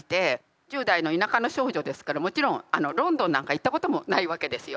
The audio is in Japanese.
１０代の田舎の少女ですからもちろんロンドンなんか行ったこともないわけですよ。